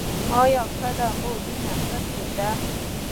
ایا کله مو وینه اخیستې ده؟